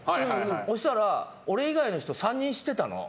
そうしたら、俺以外の人３人知ってたの。